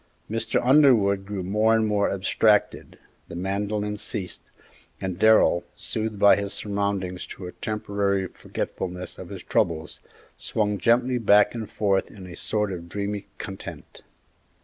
Mr. Underwood grew more and more abstracted, the mandolin ceased, and Darrell, soothed by his surroundings to a temporary forgetfulness of his troubles, swung gently back and forth in a sort of dreamy content.